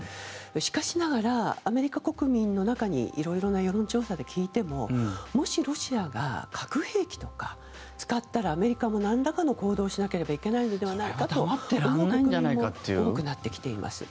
しかしながらアメリカ国民の中に色々な世論調査で聞いてももしロシアが核兵器とか使ったらアメリカもなんらかの行動をしなければいけないのではないかと思う国民も多くなってきています。